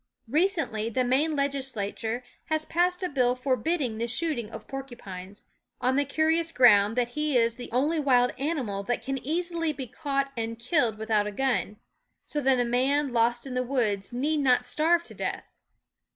Recently the Maine legislature has passed a bill forbidding the shooting of por cupines, on the curious ground that he is the only wild animal that can easily be caught and killed without a gun; so that a man lost in the woods need not starve to death.